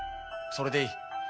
それでいい。